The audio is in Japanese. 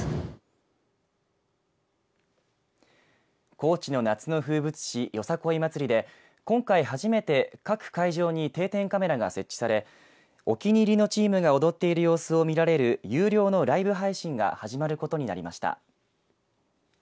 高知の夏の風物詩よさこい祭りで今回初めて各会場に定点カメラが設置されお気に入りのチームが踊っている様子を見られる有料のライブ配信が始まることになりました。